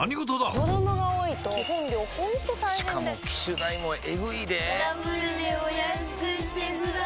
子供が多いと基本料ほんと大変でしかも機種代もエグいでぇダブルでお安くしてください